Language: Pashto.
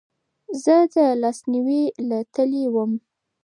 زه لاسنیوې له تلی وم